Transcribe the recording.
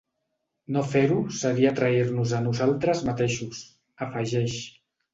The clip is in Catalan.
No fer-ho seria trair-nos a nosaltres mateixos, afegeix.